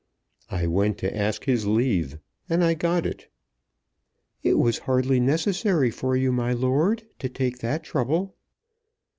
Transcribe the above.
"I went to ask his leave, and I got it." "It was hardly necessary for you, my lord, to take that trouble."